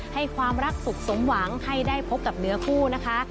ให้ความรักสุขสมหวังให้ได้พบกับเนื้อคู่นะคะ